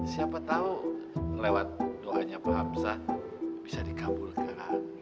siapa tahu lewat doanya pak hamsah bisa dikabulkan